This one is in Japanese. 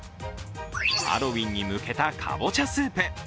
ハロウィーンに向けたかぼちゃスープ。